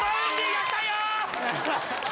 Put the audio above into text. やったよ！